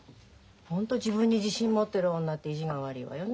ホント自分に自信持ってる女って意地が悪いわよね。